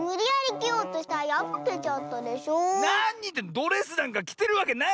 ドレスなんかきてるわけないじゃない！